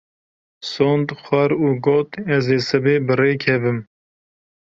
Sond xwar û got ez ê sibê bi rê kevim.